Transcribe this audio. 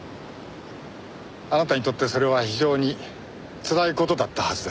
あなたにとってそれは非常につらい事だったはずです。